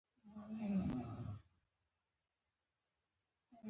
قومي مشرانو په نوم ولیک.